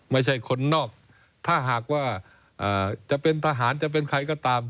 ไม่ใช่คนนอกถ้าหากว่าจะเป็นทหารจะเป็นใครก็ตาม